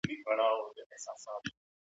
سزا بايد د عبرت لپاره وي.